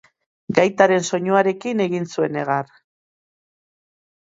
Gaitaren soinuarekin egin zuen negar.